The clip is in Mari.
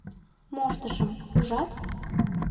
Моштышым, ужат?